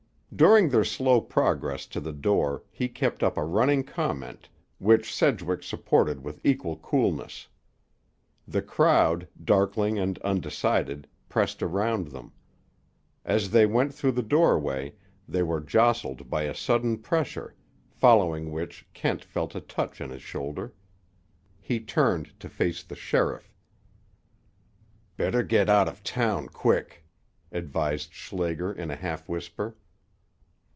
During their slow progress to the door he kept up a running comment, which Sedgwick supported with equal coolness. The crowd, darkling and undecided, pressed around them. As they went through the doorway, they were jostled by a sudden pressure, following which Kent felt a touch on his shoulder. He turned to face the sheriff. "Better get out of town quick," advised Schlager in a half whisper.